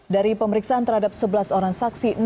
dari pemeriksaan terhadap sebelas orang saksi